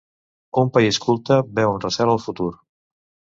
Un país culte veu amb recel el futur.